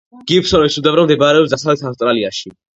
გიბსონის უდაბნო მდებარეობს დასავლეთ ავსტრალიაში.